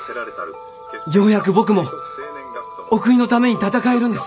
ようやく僕もお国のために戦えるんです！